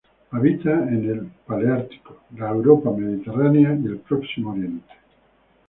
Habita en el paleártico: la Europa mediterránea y el Próximo Oriente.